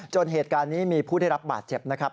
จนเหตุการณ์นี้มีผู้ที่ได้รับบาดเจ็บ